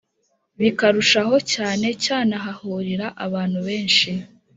bikarushahocyanecyanahahuriraabantubenshi